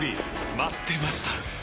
待ってました！